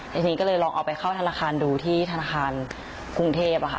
ทีนี้ก็เลยลองเอาไปเข้าธนาคารดูที่ธนาคารกรุงเทพ